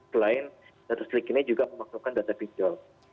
selain data slik ini juga memasukkan data pinjol